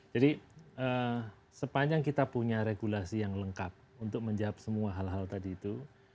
jadi sepanjang kita punya regulasi yang lengkap untuk menjawab semua hal hal tadi itu